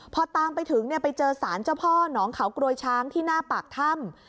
พอตามไปถึงไปเจอสารเจ้าพ่อหนองเขากรวยช้างที่หน้าปากถ้ำ